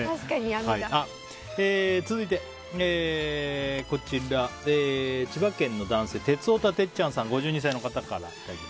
続いて、千葉県の男性５２歳の方から。